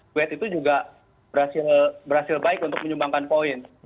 duet itu juga berhasil baik untuk menyumbangkan poin